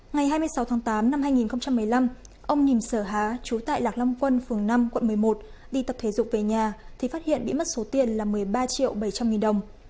ngày hai mươi sáu tháng tám năm hai nghìn một mươi năm ông nhìm sở há trú tại lạc long quân phường năm quận một mươi một đi tập thể dục về nhà thì phát hiện bị mất số tiền là một mươi ba triệu bảy trăm linh nghìn đồng